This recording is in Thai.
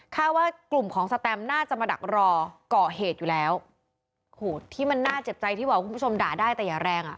ว่ากลุ่มของสแตมน่าจะมาดักรอก่อเหตุอยู่แล้วโหดที่มันน่าเจ็บใจที่บอกคุณผู้ชมด่าได้แต่อย่าแรงอ่ะ